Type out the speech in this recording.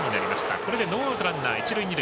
これでノーアウトランナー、一塁二塁。